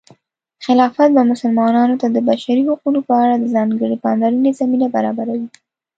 خلافت به مسلمانانو ته د بشري حقونو په اړه د ځانګړې پاملرنې زمینه برابروي.